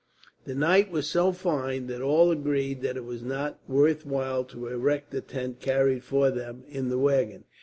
The night was so fine that all agreed that it was not worthwhile to erect the tent carried for them in the waggon.